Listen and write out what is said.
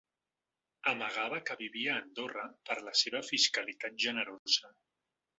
Amagava que vivia a Andorra per la seva fiscalitat generosa.